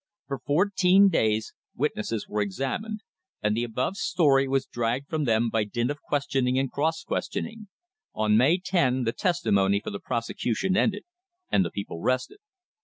For fourteen days witnesses were examined, and the above story was dragged from them by dint of questioning and cross questioning. On May 10 the testimony for the prosecution ended, and the "people rested."